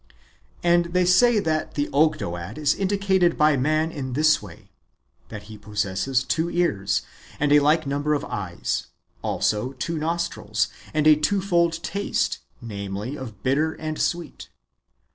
And they say that the Ogdoad is indicated by man in this way : that he possesses two ears, the like number of eyes, also two nostrils, and a twofold taste, namely, of bitter and sweet.